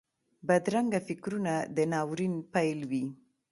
بدرنګه فکرونه د ناورین پیل وي